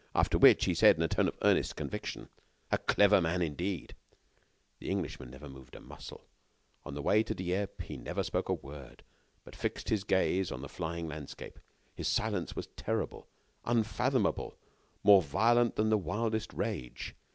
After which, he said, in a tone of earnest conviction: "A clever man, indeed!" The Englishman never moved a muscle. On the way to Dieppe, he never spoke a word, but fixed his gaze on the flying landscape. His silence was terrible, unfathomable, more violent than the wildest rage.